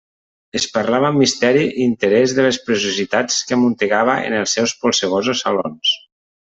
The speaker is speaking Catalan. Es parlava amb misteri i interès de les preciositats que amuntegava en els seus polsegosos salons.